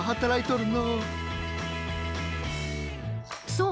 そう！